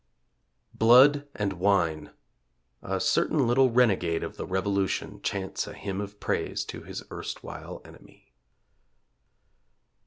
BLOOD AND WINE (A certain little renegade of the Revolution chants a hymn of praise to his erstwhile enemy.)